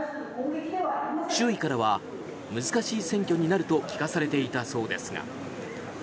周囲からは難しい選挙になると聞かされていたそうですが。